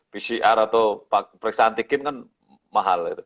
pcr atau reksa antikin kan mahal